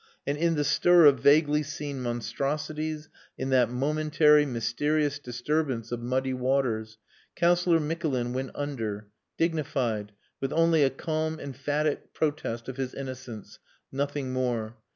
And in the stir of vaguely seen monstrosities, in that momentary, mysterious disturbance of muddy waters, Councillor Mikulin went under, dignified, with only a calm, emphatic protest of his innocence nothing more.